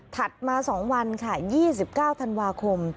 มา๒วันค่ะ๒๙ธันวาคม